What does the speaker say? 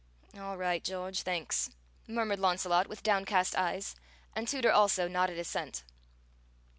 "All right, George. Thanks!" murmured Launcelot with downcast eyes, and Tooter also nodded assent.